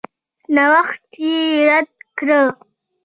نوښت یې رد کړ.